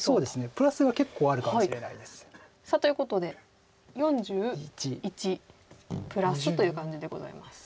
プラスが結構あるかもしれないです。ということで４１プラスという感じでございます。